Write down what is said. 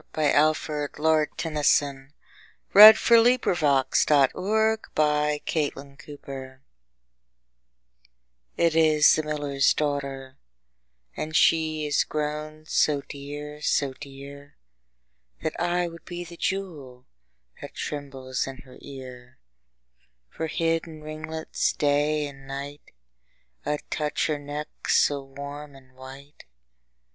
Alfred Tennyson, Lord Tennyson. 1809–1892 701. The Miller's Daughter IT is the miller's daughter, And she is grown so dear, so dear, That I would be the jewel That trembles in her ear: For hid in ringlets day and night, 5 I'd touch her neck so warm and white.